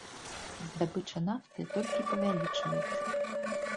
Здабыча нафты толькі павялічваецца.